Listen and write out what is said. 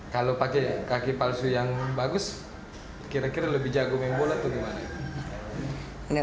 kalau pakai kaki palsu yang bagus kira kira lebih jago main bola atau gimana